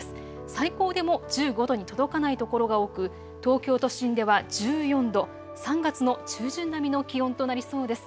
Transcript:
最高でも１５度に届かない所が多く東京都心では１４度、３月の中旬並みの気温となりそうです。